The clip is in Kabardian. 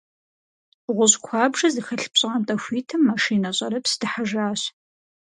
ГъущӀ куэбжэ зыхэлъ пщӀантӀэ хуитым машинэ щӀэрыпс дыхьэжащ.